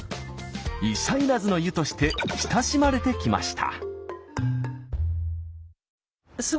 医者要らずの湯として親しまれてきました。